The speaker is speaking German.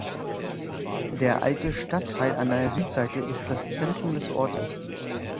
Der "alte Stadtteil" an der Südseite ist das Zentrum des Orts.